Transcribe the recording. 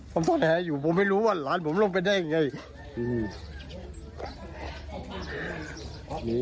ผมตอนแห่งอยู่ผมไม่รู้ว่าหลานผมลงไปได้ยังไง